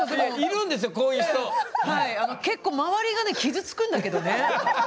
結構周りがね傷つくんだけどね。